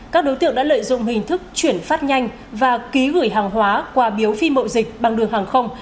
các đối tiểu đã lợi dụng hình thức chuyển phát nhanh và ký gửi hàng hóa qua biếu phi mộ dịch bằng đường hàng không